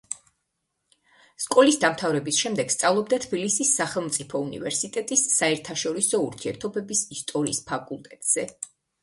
სკოლის დამთავრების შემდეგ სწავლობდა თბილისის სახელმწიფო უნივერსიტეტის საერთაშორისო ურთიერთობების ისტორიის ფაკულტეტზე.